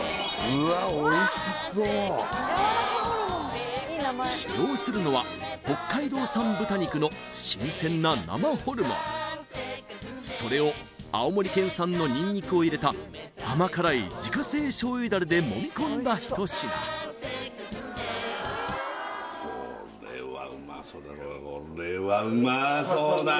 うわおいしそう使用するのは北海道産豚肉の新鮮な生ホルモンそれを青森県産のニンニクを入れた甘辛い自家製醤油ダレでもみ込んだ一品これはうまそうだ